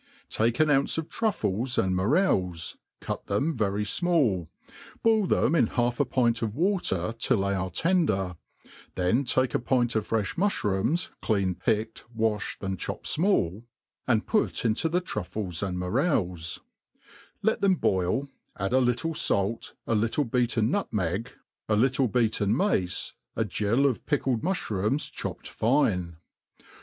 Take an ounce of tru£fles and morels, cut them very fmall, boiltheni in half a pint of water all they are tender, then take a pint of frefh mufhrooms clean picked, wafhed, and chopped fmall, and 9 put %G9 THE A&T OF COOl^f^RY^ put into the Oruffles and morels, htt tfaem boU^ add a lUttci fait, a liittl^, beaten autmeg, a little beaten ma^ a gill of pick* led flokv&rootns chopped fine.